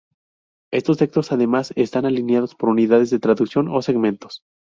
Estos textos además están alineados por unidades de traducción o segmentos.